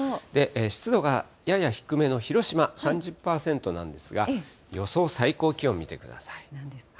湿度がやや低めの広島、３０％なんですが、予想最高気温見てください。